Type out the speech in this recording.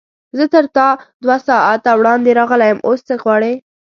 زه تر تا دوه ساعته وړاندې راغلی یم، اوس څه غواړې؟